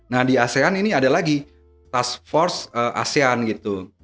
nah di asean ini ada lagi task force asean gitu